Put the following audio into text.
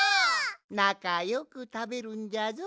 なかよくたべるんじゃぞ。